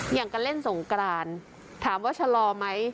อย่างการเล่นสงกรานถามว่าชะลอไหม